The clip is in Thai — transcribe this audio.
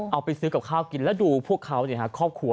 เอาไปซื้อกับข้าวกินแล้วดูพวกเขาครอบครัว